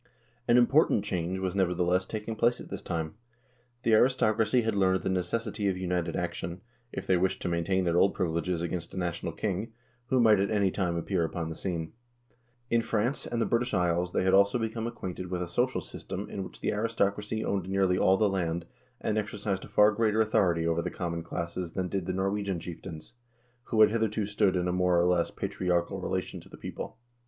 2 An important change was, nevertheless, taking place at this time. The aristocracy had learned the necessity of united action, if they wished to maintain their old privileges against a national king, who 1 Heimskringla, Olav Tryggvasonssaga, ch. 113. * Ibid. REIGN OF THE JARLS EIRIK AND SVEIN 245 might at any time appear upon the scene. In France and the British Isles they had also become acquainted with a social system in which the aristocracy owned nearly all the land, and exercised a far greater authority over the common classes than did the Norwegian chieftains, who had hitherto stood in a more or less patriarchal relation to the people.